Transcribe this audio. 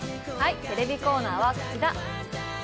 テレビコーナーはこちら。